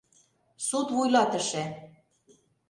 Суд вуйлатыше.